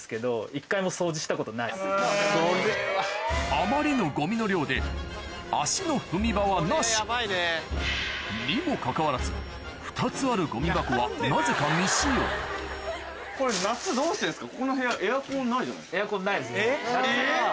・あまりのゴミの量で足の踏み場はなしにもかかわらず２つあるゴミ箱はなぜか未使用夏はそこ。